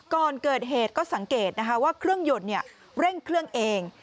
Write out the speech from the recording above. ก่อนเกิดเหตุก็สังเกตนะคะว่าเครื่องยนต์เร่งเครื่องเอง